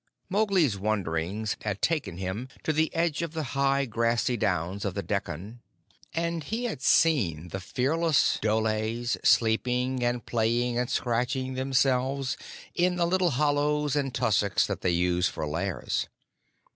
Mowgli's wanderings had taken him to the edge of the high grassy downs of the Dekkan, and he had seen the fearless dholes sleeping and playing and scratching themselves in the little hollows and tussocks that they use for lairs.